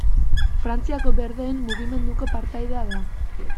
Frantziako Berdeen mugimenduko partaide da.